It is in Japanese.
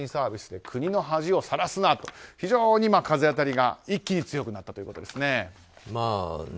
動画配信サービスで国の恥をさらすなと非常に風当たりが一気に強くなったということです。